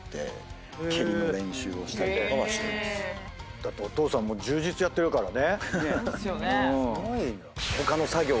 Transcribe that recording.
だってお父さんも柔術やってるからね。